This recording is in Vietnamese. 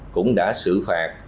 cũng đã xử phạt